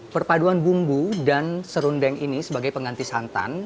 perpaduan bumbu dan serundeng ini sebagai pengganti santan